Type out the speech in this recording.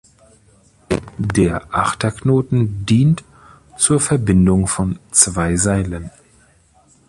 Der Achterknoten dient zur Verbindung von zwei Seilen.